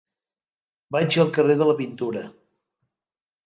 Vaig al carrer de la Pintura.